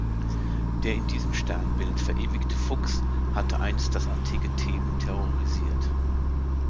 Der in diesem Sternbild verewigte Fuchs hatte einst das antike Theben terrorisiert.